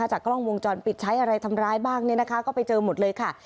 หลังจากกล้องวงจรปิดใช้อะไรทำร้ายบ้างก็ไปเจอหมดเลยค่ะ